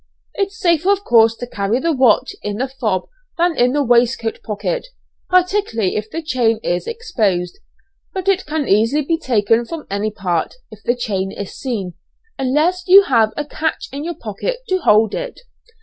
It's safer of course to carry the watch in the fob than in the waistcoat pocket, particularly if the chain is exposed, but it can easily be taken from any part, if the chain is seen, unless you have a catch in your pocket to hold it.